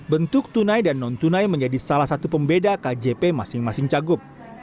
bentuk tunai dan non tunai menjadi salah satu pembeda kjp masing masing cagup